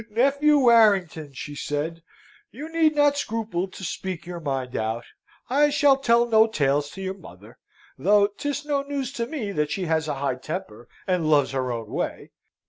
"He, he! nephew Warrington!" she said, "you need not scruple to speak your mind out. I shall tell no tales to your mother: though 'tis no news to me that she has a high temper, and loves her own way.